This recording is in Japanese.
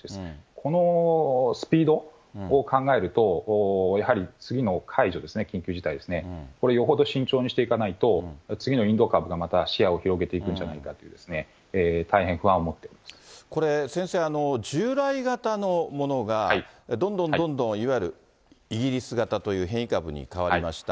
このスピードを考えると、やはり次の解除ですね、緊急事態ですね、これ、よほど慎重にしていかないと、次のインド株がまたシェアを広げていくんじゃないかと、大変不安これ、先生、従来型のものが、どんどんどんどんいわゆるイギリス型という変異株に変わりました。